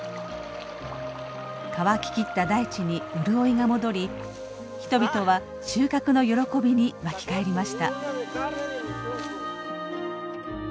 乾き切った大地に潤いが戻り人々は収穫の喜びに沸き返りました。